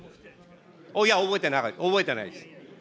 いや、覚えてないです。